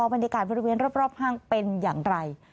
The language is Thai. บรรยากาศบริเวณรอบห้างเป็นอย่างไร